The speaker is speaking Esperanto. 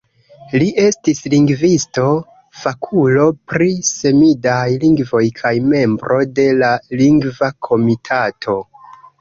Li estis lingvisto, fakulo pri semidaj lingvoj kaj membro de la Lingva Komitato.